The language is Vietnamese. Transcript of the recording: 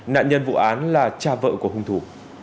nạn nhân vụ án là cha vợ của hung thủ